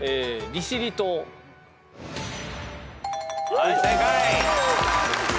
はい正解。